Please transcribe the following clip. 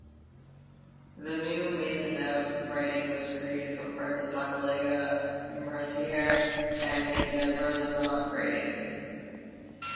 The new Maisonneuve riding was created from parts of Hochelaga, Mercier and Maisonneuve-Rosemont ridings.